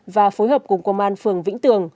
và phối hợp cùng công an phường vĩnh tường